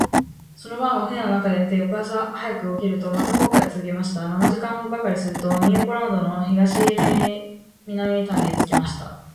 その晩は舟の中で寝て、翌朝早く起きると、また航海をつづけました。七時間ばかりすると、ニューポランドの東南端に着きました。